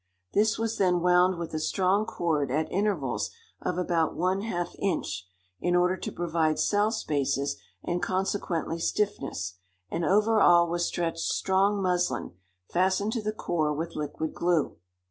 This was then wound with a strong cord at intervals of about one half inch, in order to provide cell spaces and consequently stiffness; and over all was stretched strong muslin, fastened to the core with liquid glue.